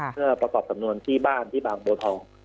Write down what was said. เพื่อประกอบสำนวนที่บ้านที่บางบัวทอง